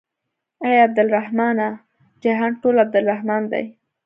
اې عبدالرحمنه جهان ټول عبدالرحمن دى.